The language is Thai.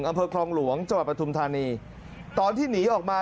มีไข้นี่ดีกว่า